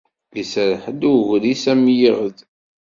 Iserreḥ-d i ugris am yiɣed.